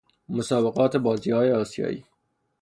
مسابقات بازی های آسیائی